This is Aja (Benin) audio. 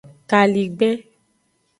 Kaligben.